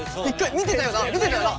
見てたよな見てたよな！